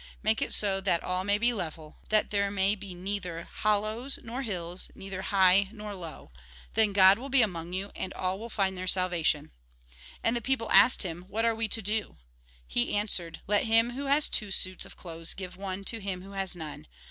Make it so that all may be level, that there may be neither hollows nor hills, neither high nor low. Then God will be among you, and all will find their salvation." And the people asked him :" What are we to do ?" He answered :" Let him v« ho has two suits of clothes, give one to him who has none. Let him Lk. ii. 47. 48. Jit. iii. 1.